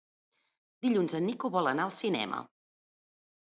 Dilluns en Nico vol anar al cinema.